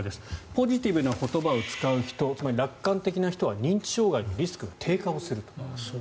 ポジティブな言葉を使う人つまり、楽観的な人は認知障害のリスクが低下する。